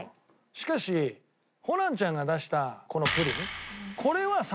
しかしホランちゃんが出したこのプリン。